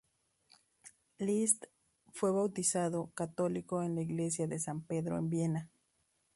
List fue bautizado católico en la iglesia de San Pedro en Viena.